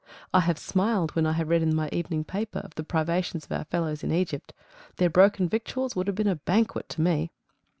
I have smiled when I have read in my evening paper of the privations of our fellows in Egypt. Their broken victuals would have been a banquet to me.